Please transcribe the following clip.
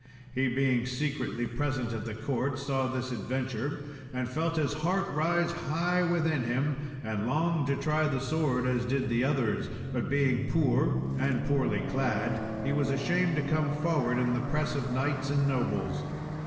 He being secretly present at the court saw this adventure, and felt his heart rise high within him, and longed to try the sword as did the others; but being poor and poorly clad, he was ashamed to come forward in the press of knights and nobles.